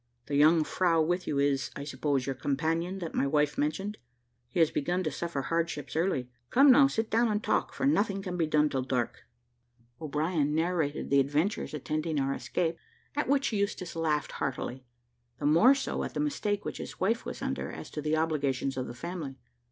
The young frow with you is, I suppose, your companion that my wife mentioned. He has begun to suffer hardships early. Come, now sit down and talk, for nothing can be done till dark." O'Brien narrated the adventures attending our escape, at which Eustache laughed heartily; the more so, at the mistake which his wife was under, as to the obligations of the family.